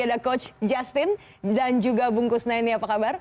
ada coach justin dan juga bungkus neni apa kabar